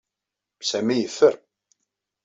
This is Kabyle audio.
Sami yeffer.